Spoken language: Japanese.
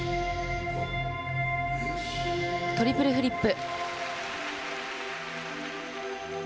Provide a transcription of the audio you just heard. トリプルフリップ。